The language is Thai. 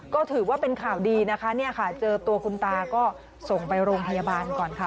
ก็ถือว่าเป็นข่าวดีนะคะเนี่ยค่ะเจอตัวคุณตาก็ส่งไปโรงพยาบาลก่อนค่ะ